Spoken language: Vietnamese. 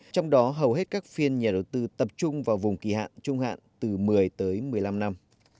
trong đó hầu hết các phiên nhà đầu tư tập trung vào vùng kỳ hạn trung hạn từ một mươi tới một mươi năm năm